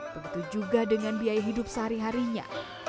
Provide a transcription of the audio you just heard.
begitu juga dengan biaya hidup sehari harinya